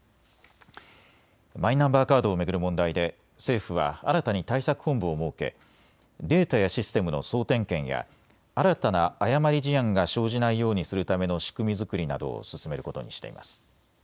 マイナンバーカードを巡る問題で政府は新たに対策本部を設けデータやシステムの総点検や新たな誤り事案が生じないようにするための仕組み作りなどを進めることにしています。